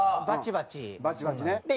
バチバチね。